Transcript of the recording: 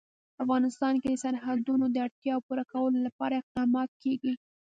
په افغانستان کې د سرحدونه د اړتیاوو پوره کولو لپاره اقدامات کېږي.